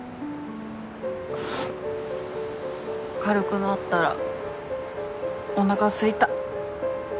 軽くなったらおなかすいた。